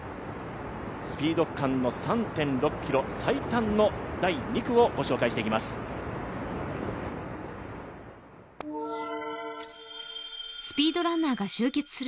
スピード区間の３．６ｋｍ、最短の第２区をご紹介していきます